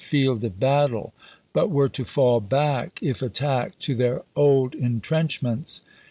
field of battle, but were to fall back, if attacked, to their old iutrenchments.